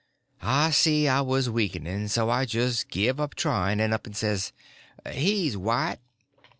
I see I was weakening; so I just give up trying, and up and says: "He's white."